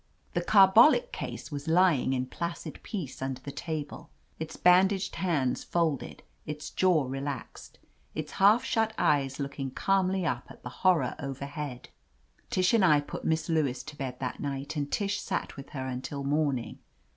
The "carbolic case" was lying in placid peace under the table, its bandaged hands folded, its jaw relaxed, its half shut eyes looking calmly up at the horror overhead. Tish and I put Miss Lewis to bed that night and Tish sat with her until morning.